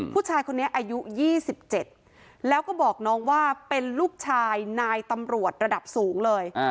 ผู้ชายคนนี้อายุ๒๗แล้วก็บอกน้องว่าเป็นลูกชายนายตำรวจระดับสูงเลย